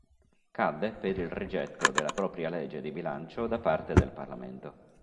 Cadde per il rigetto della propria legge di bilancio da parte del Parlamento.